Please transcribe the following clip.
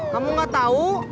kamu nggak tahu